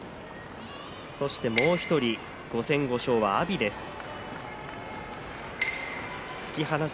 そして、もう１人５戦５勝は阿炎です。